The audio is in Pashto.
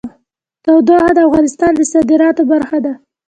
تودوخه د افغانستان د صادراتو برخه ده.